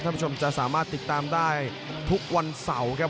คุณผู้ชมจะสามารถติดตามได้ทุกวันเสาร์ครับ